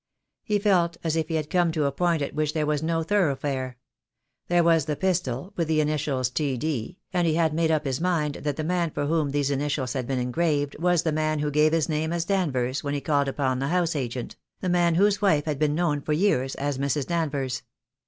He felt as if he had come to a point at which there was no thoroughfare. There was the pistol, with the initials "T. D.," and he had made up his mind that the man for whom those initials had been engraved was the man who gave his name as Danvers when he called upon the house agent, the man whose wife had been known for years as Mrs. Danvers.